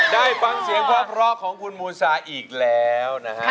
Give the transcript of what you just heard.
ได้ฟังเสียงเพราะของคุณมูซาอีกแล้วนะฮะ